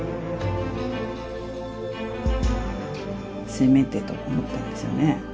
せめてと思ったんですよね。